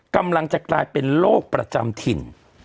กำลังจะกลายเป็นโรคประจำถิ่น